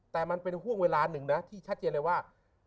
แต่มันเป็นห่วงเวลาหนึ่งนะที่ชัดเจนเลยว่า